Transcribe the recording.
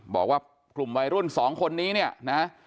บอกว่ากลุ่มวัยรุ่น๒คนนี้เนี่ยนะ